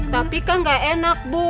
tapi kan gak enak bu